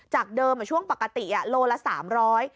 จากเดิมช่วงปกติลูลาสามร้อย